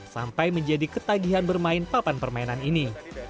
sampai menjadi ketagihan bermain papan permainan ini